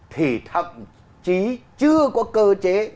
thì thậm chí chưa có cơ chế